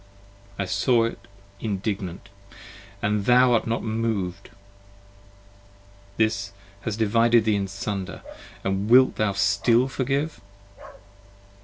I saw it indignant, & thou art not moved! This has divided thee in sunder: and wilt thou still forgive?